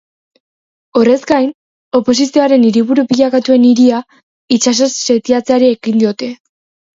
Horrez gain, oposizioaren hiriburu bilakatu den hiria itsasoz setiatzeari ekin diote.